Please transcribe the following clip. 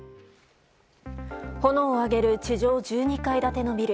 炎を上げる地上１２階建てのビル。